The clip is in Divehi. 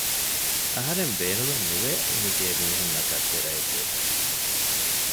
އަހަރެން ބޭނުމެއް ނުވޭ މި ގޭ މީހުންނަކަށް ދެރައެއް ދޭކަށް